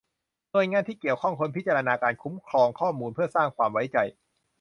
หน่วยงานที่เกี่ยวข้องควรพิจารณาการคุ้มครองข้อมูล เพื่อสร้างความไว้ใจ